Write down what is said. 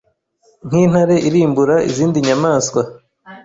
nk’intare irimbura izindi nyamaswa